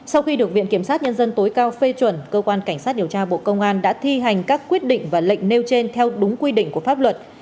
sau khi được viện kiểm sát nhân dân tối cao phê chuẩn cơ quan cảnh sát điều tra bộ công an đã thi hành các quyết định và lệnh nêu trên theo đúng quy định của pháp luật